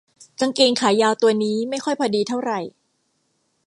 กางเกงขายาวตัวนี้ไม่ค่อยพอดีเท่าไหร่